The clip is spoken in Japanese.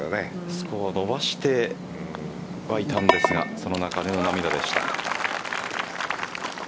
スコアを伸ばしてはいたんですがその中での涙でした。